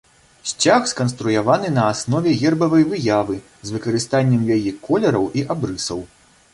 Сцяг сканструяваны на аснове гербавай выявы, з выкарыстаннем яе колераў і абрысаў.